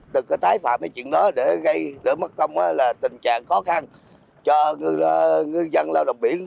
đừng có tái phạm những chuyện đó để gây để mất công là tình trạng khó khăn cho người dân lao động biển